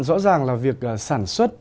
rõ ràng là việc sản xuất